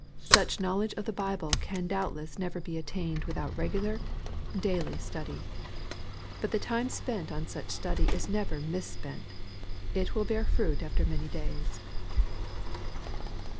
Such knowledge of the Bible can doubt less never be attained without regular, daily study. But the time spent on such study is never mis spent. It will bear fruit after many days.